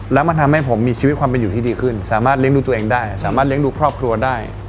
แล้วมันทำให้ผมมีชีวิตความเป็นอยู่ที่ดีขึ้นสามารถเลี้ยงดูตัวเองได้สามารถเลี้ยงดูครอบครัวได้